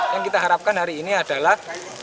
yang kita harapkan hari ini adalah